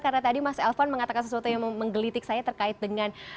karena tadi mas elvan mengatakan sesuatu yang menggelitik saya terkait dengan